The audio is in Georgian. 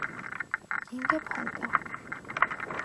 გინდა ფანტა